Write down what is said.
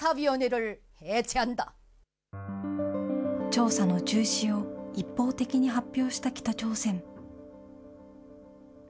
調査の中止を一方的に発表した北朝鮮。